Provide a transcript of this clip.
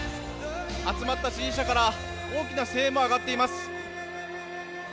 集まった支持者から大きな声援も上がっています。